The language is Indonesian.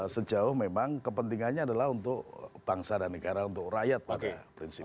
sejauh memang kepentingannya adalah untuk bangsa dan negara untuk rakyat pada prinsipnya